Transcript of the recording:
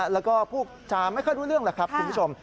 แล้วก็ผู้ชามไม่เข้ารู้เรื่องหรือครับคุณผู้ชม